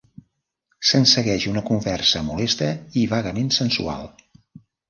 Se'n segueix una conversa molesta i vagament sensual.